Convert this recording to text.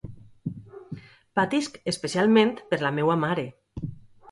Patisc especialment per la meua mare.